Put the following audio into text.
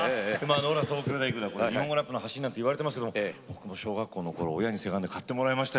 「俺ら東京さ行ぐだ」はこれ日本語ラップのはしりなんて言われてますけど僕も小学校の頃親にせがんで買ってもらいましたよ。